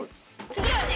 次はね